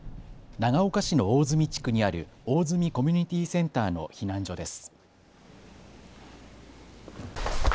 長岡市の大積地区にある大積コミュニティセンターの避難所です。